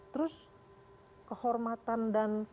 terus kehormatan dan